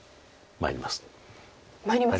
参りますか。